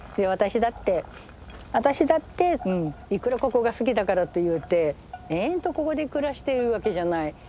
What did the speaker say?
私だって私だっていくらここが好きだからと言うて延々とここで暮らしているわけじゃない。